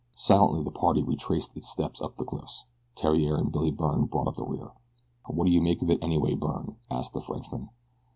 Silently the party retraced its steps up the cliff. Theriere and Billy Byrne brought up the rear. "What do you make of it anyway, Byrne?" asked the Frenchman.